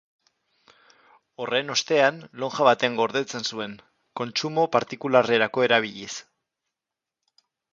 Horren ostean, lonja batean gordetzen zuen, kontsumo partikularrerako erabiliz.